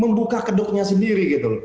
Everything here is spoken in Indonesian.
membuka keduknya sendiri gitu